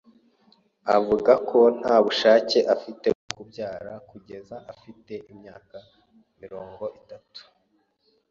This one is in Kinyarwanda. Avuga ko nta bushake afite bwo kubyara kugeza afite imyaka mirongo itatu.